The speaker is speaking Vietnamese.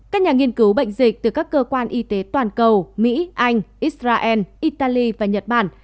các nhà nghiên cứu bệnh dịch từ các cơ quan y tế toàn cầu mỹ anh israel italy và nhật bản